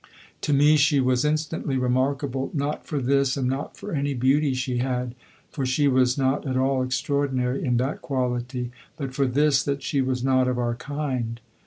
To me she was instantly remarkable, not for this and not for any beauty she had for she was not at all extraordinary in that quality but for this, that she was not of our kind.